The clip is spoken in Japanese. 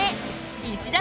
石田